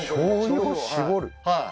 はい